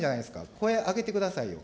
声上げてくださいよ。